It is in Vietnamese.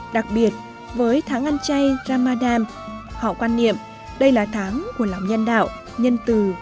đặc biệt với tháng an chay ramadan họ quan niệm đây là tháng của lòng nhân